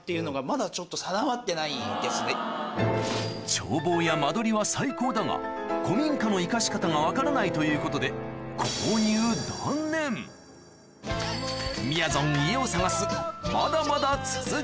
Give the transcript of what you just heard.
眺望や間取りは最高だが古民家の生かし方が分からないということで「みやぞん、家を探す。」